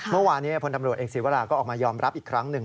เมื่อวานนี้พลตำรวจเอกศีวราก็ออกมายอมรับอีกครั้งหนึ่ง